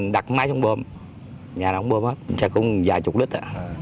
đặt máy xuống bơm nhà nó không bơm hết sẽ có vài chục lít